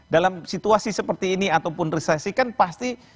dalam situasi seperti ini ataupun resesi kan pasti